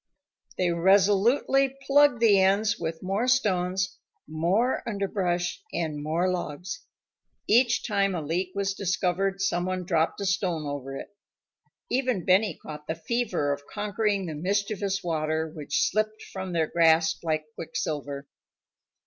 They resolutely plugged the ends with more stones, more underbrush, and more logs. Each time a leak was discovered, someone dropped a stone over it. Even Benny caught the fever of conquering the mischievous water which slipped from their grasp like quicksilver.